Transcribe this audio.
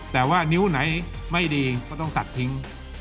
แต่ว่านิ้วไหนไม่ดีก็ต้องตัดทิ้ง